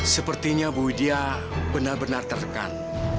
sepertinya bu widya benar benar terdekat